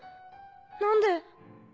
何で？